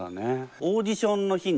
オーディションの日に？